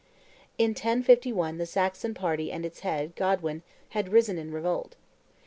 In 1051 the Saxon party and its head, Godwin, had risen in revolt.